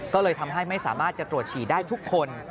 ก็เลยทำให้ไม่สามารถจะตรวจฉี่ได้ทุกคน